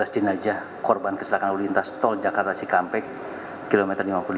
dua belas jenazah korban keselakan lalu lintas tol jakarta sikampek km lima puluh delapan